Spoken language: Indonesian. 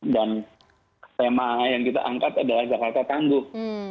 dan tema yang kita angkat adalah jakarta tangguh